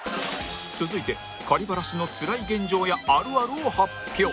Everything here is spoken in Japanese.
続いてバラシのつらい現状やあるあるを発表